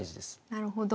なるほど。